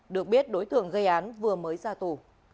được biết đối tượng gây án vừa mới ra tù